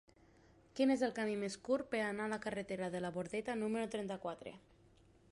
Quin és el camí més curt per anar a la carretera de la Bordeta número trenta-quatre?